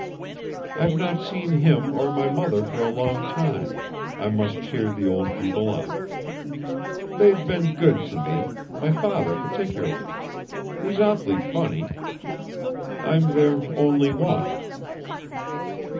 I've not seen him or my mother for a long time; I must cheer the old people up. They've been good to me, my father particularly; he's awfully funny. I'm their only one.